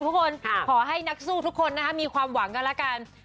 ขอให้นักสู้ทุกคนนะคะมีความหวังกันแล้วกัน